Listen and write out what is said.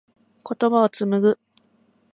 言葉を紡ぐ。